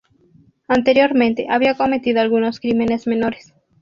Anteriormente, había cometido algunos crímenes menores.